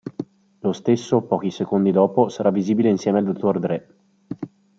Lo stesso pochi secondi dopo sarà visibile insieme a Dr. Dre.